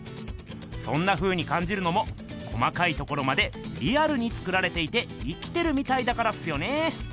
そんなふうにかんじるのも細かいところまでリアルに作られていて生きてるみたいだからっすよね。